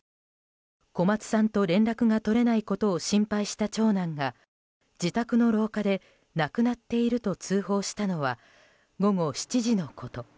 小松さんと連絡が取れないことを心配した長男が自宅の廊下で亡くなっていると通報したのは午後７時のこと。